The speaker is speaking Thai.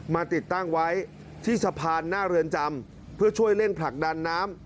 ติดตั้งไว้ที่สะพานหน้าเรือนจำเพื่อช่วยเร่งผลักดันน้ำ